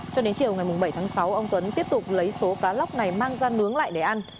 cho đến chiều ngày bảy tháng sáu ông tuấn tiếp tục lấy số cá lóc này mang ra nướng lại để ăn